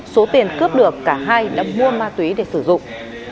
số tiền cướp được cả hai đã mua ma túy để sử dụng